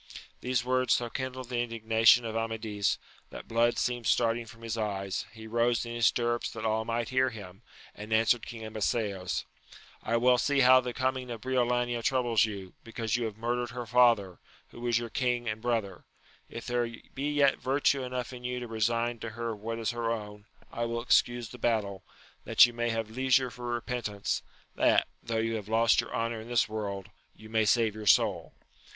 These words so kindled the indignation of Amadis, that blood seemed starting from his eyes ; he rose in his stirrups that all might hear him, and answered King Abiseos, I well see how the coming of Briolania troubles you, because you have murdered her father, who was your king and brother : if there be yet virtue enough in you to resign to her what ]& her own, I will excuse the battle, that you may have leisure for repentance, that, though you have lost your honour in this world, you may save your soul.